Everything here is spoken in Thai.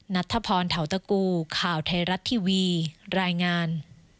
นัทธพรเทาตะกูข่าวไทยรัฐทีวีรายงาน